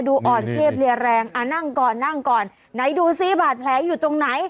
นี้อ่อนเกี้ยวเรียดแรงนั่งก่อนนั่งก่อนไหนดูสิบาดแผลอยู่ตรงไหน